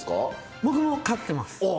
僕も飼ってます。